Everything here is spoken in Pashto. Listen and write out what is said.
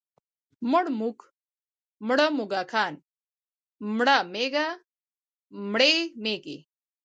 مړ موږک، مړه موږکان، مړه مږه، مړې مږې.